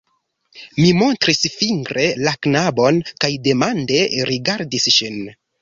Mi montris fingre la knabon kaj demande rigardis ŝin.